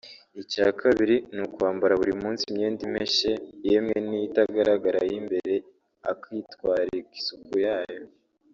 Icya kabiri ni ukwambara buri munsi imyenda imeshe yemwe n’itagaragara y’imbere akitwararika isuku yayo